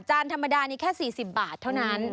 ธรรมดานี้แค่๔๐บาทเท่านั้น